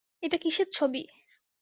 এটা কীসের ছবি?